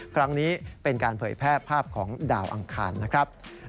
ครั้งนี้เป็นการเผยแพร่ภาพของดาวอังคารนะครับ